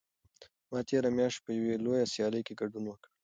ما تېره میاشت په یوې لویه سیالۍ کې ګډون وکړ.